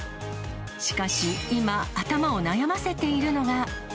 しかし今、頭を悩ませているのが。